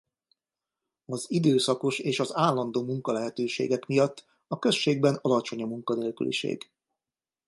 Az időszakos és az állandó munkalehetőségek miatt a községben alacsony a munkanélküliség.